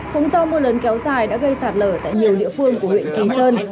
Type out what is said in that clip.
cũng do mưa lớn kéo xài đã gây sạt lờ tại nhiều địa phương của huyện kỳ sơn